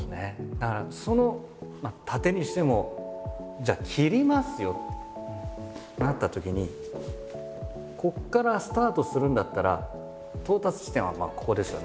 だからその殺陣にしてもじゃあ斬りますよってなったときにここからスタートするんだったら到達地点はまあここですよね。